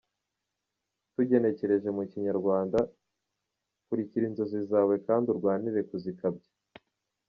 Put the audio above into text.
Tugenekereje mu Kinyarwanda, “kurikira inzozi zawe, kandi urwanire kuzikabya.